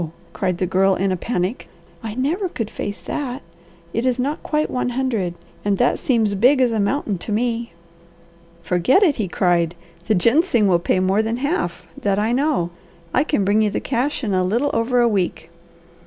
cried the Girl in a panic. "I never could face that! It is not quite one hundred, and that seems big as a mountain to me." "Forget it!" he cried. "The ginseng will pay more than half; that I know. I can bring you the cash in a little over a week."